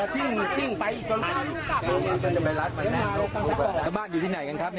พี่หนึ่งอยู่ที่ไหนกันครับ